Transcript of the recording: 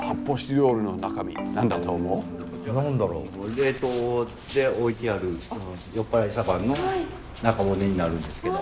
冷凍で置いてあるよっぱらいサバの中骨になるんですけど。